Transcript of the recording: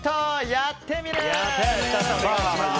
「やってみる。」。